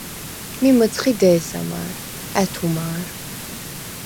მი მჷცხი დე̄სა მა̄რ, ა̈თუ მა̄რ.